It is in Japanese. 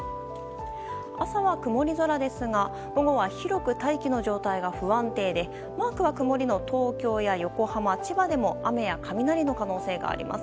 朝は曇り空ですが午後は広く大気の状態が不安定でマークは曇りの東京や横浜、千葉でも雨や雷の可能性があります。